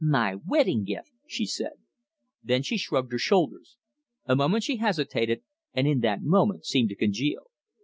"My wedding gift!" she said. Then she shrugged her shoulders. A moment she hesitated, and in that moment seemed to congeal.